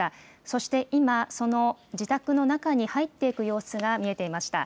そして今、その自宅の中に入っていく様子が見えていました。